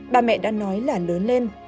ba mẹ đã nói là lớn lên